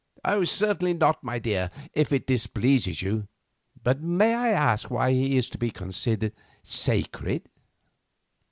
"Certainly not, my dear, if it displeases you. But may I ask why he is to be considered sacred?"